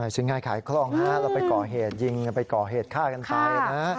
ซื้อง่ายขายครอบครองแล้วไปก่อเหตุยิงไปก่อเหตุค่ากันไป